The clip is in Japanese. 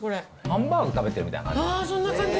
ハンバーグ食べてるみたいな感じ。